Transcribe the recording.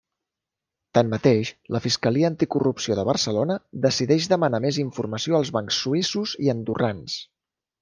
Tanmateix, la Fiscalia Anticorrupció de Barcelona decideix demanar més informació als bancs suïssos i andorrans.